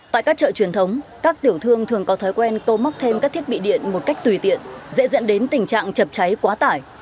tại các chợ truyền thống các tiểu thương thường có thói quen câu móc thêm các thiết bị điện một cách tùy tiện dễ dẫn đến tình trạng chập cháy quá tải